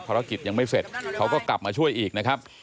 ยังไม่เสร็จเขาก็กลับมาช่วยอีกนะครับ